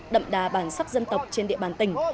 đậm đà bản sắc dân tộc trên địa bàn tỉnh